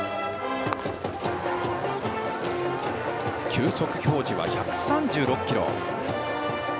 球速表示は１３６キロ。